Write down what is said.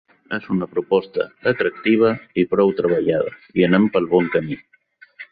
És una proposta atractiva i prou treballada i anem pel bon camí.